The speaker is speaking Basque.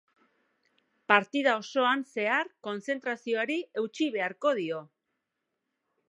Partida osoan zehar kontzentrazioari eutsi beharko dio.